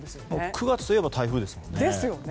９月といえば台風ですよね。